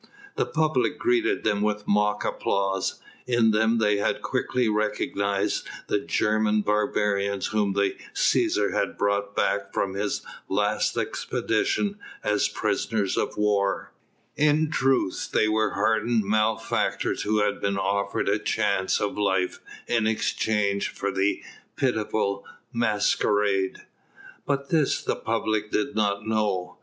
The public greeted them with mock applause. In them they had quickly recognised the German barbarians whom the Cæsar had brought back from his last expedition as prisoners of war; in truth they were hardened malefactors who had been offered a chance of life in exchange for the pitiable masquerade. But this the public did not know.